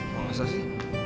mau gak usah sih